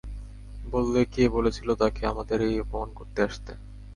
বললে, কে বলেছিল তাঁকে আমাদের এই অপমান করতে আসতে!